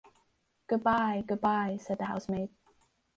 ‘Good-bye!’ ‘Good-bye!’ said the housemaid.